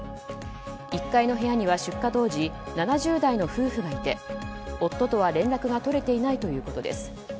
１階の部屋には出火当時７０代の夫婦がいて夫とは連絡が取れていないということです。